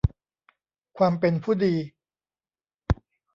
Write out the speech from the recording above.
ความเป็นผู้ดี